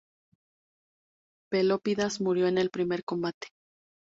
Pelópidas murió en el primer combate.